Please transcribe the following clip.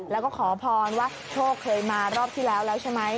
แล้วก็ขอพรว่าโชคเคยมารอบที่แล้วแล้วใช่ไหม